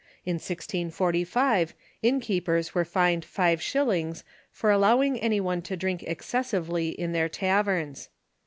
In 1G45 innkeepers were fined five shil lings for allowing any one to drink excessively in their taverns.